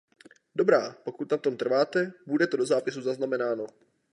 Dobrá, pokud na tom trváte, bude to do zápisu zaznamenáno.